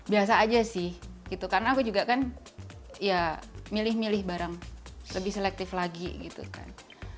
biasa aja sih gitu karena aku juga kan ya milih milih barang lebih selektif lagi gitu kan